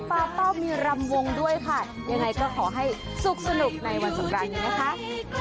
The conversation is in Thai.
ปาเต้ามีรำวงด้วยค่ะยังไงก็ขอให้สุขสนุกในวันสำรานนี้นะคะ